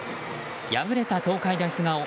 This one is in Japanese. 敗れた東海大菅生